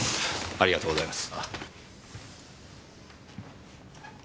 ありがとうございます。